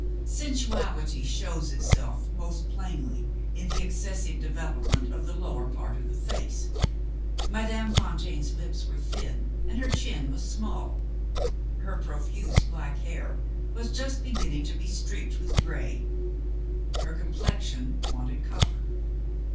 Sensuality shows itself most plainly in the excessive development of the lower part of the face. Madame Fontaine's lips were thin, and her chin was too small. Her profuse black hair was just beginning to be streaked with gray. Her complexion wanted color.